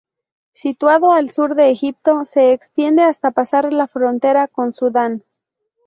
Situado al sur de Egipto, se extiende hasta pasar la frontera con Sudán.